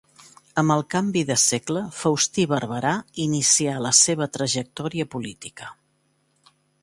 Amb el canvi de segle, Faustí Barberà inicià la seva trajectòria política.